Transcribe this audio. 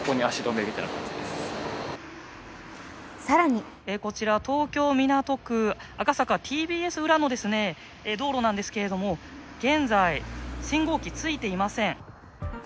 更にこちら、東京・港区赤坂ＴＢＳ裏の道路なんですけど現在、信号機、ついていません。